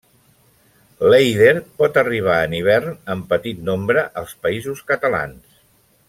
L'èider pot arribar en hivern, en petit nombre, als Països Catalans.